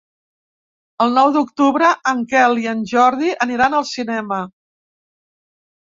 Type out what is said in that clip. El nou d'octubre en Quel i en Jordi aniran al cinema.